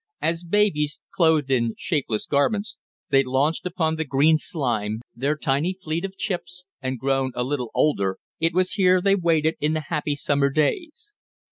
As babies, clothed in shapeless garments, they launched upon the green slime their tiny fleet of chips, and, grown a little older, it was here they waded in the happy summer days.